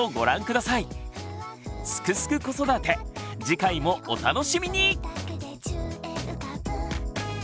次回もお楽しみに！